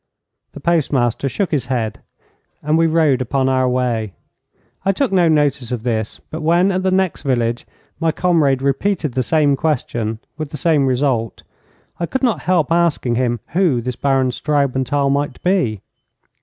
The postmaster shook his head, and we rode upon our way. I took no notice of this, but when, at the next village, my comrade repeated the same question, with the same result, I could not help asking him who this Baron Straubenthal might be.